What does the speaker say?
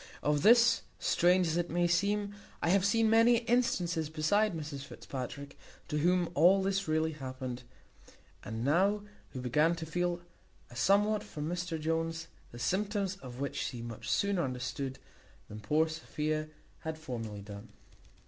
Of this, strange as it may seem, I have seen many instances besides Mrs Fitzpatrick, to whom all this really happened, and who now began to feel a somewhat for Mr Jones, the symptoms of which she much sooner understood than poor Sophia had formerly done.